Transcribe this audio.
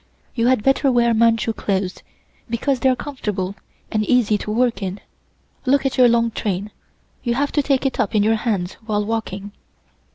You had better wear Manchu clothes, because they are comfortable and easy to work in. Look at your long train; you have to take it up in your hands while walking."